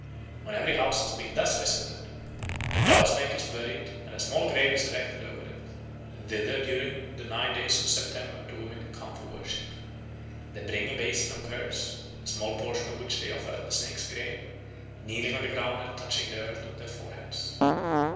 When every house has been thus visited, the dough snake is buried and a small grave is erected over it. Thither during the nine days of September the women come to worship. They bring a basin of curds, a small portion of which they offer at the snake's grave, kneeling on the ground and touching the earth with their foreheads.